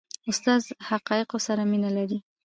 استاد د حقایقو سره مینه لري.